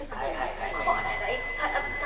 これがいっぱいあったんだよね。